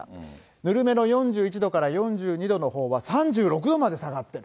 ぬるめの４１度から４２度のほうは３６度まで下がってる。